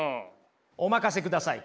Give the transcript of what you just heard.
お任せください。